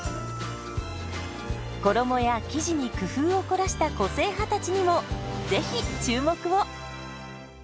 衣や生地に工夫を凝らした個性派たちにもぜひ注目を！